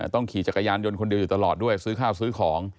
ขี่จักรยานยนต์คนเดียวอยู่ตลอดด้วยซื้อข้าวซื้อของ